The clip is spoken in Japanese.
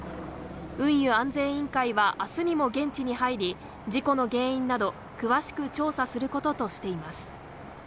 運輸安全委員会はあすにも現地に入り、事故の原因など、詳しく調査することとしています。